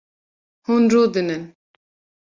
Hûn rûdinin